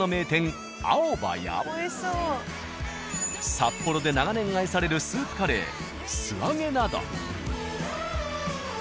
札幌で長年愛されるスープカレー「Ｓｕａｇｅ」など。